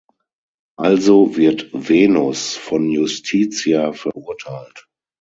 Also wird Venus von Justitia verurteilt.